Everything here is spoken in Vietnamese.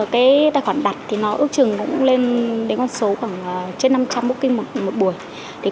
cái tài khoản đặt thì ước chừng cũng lên đến con số trên năm trăm linh booking một buổi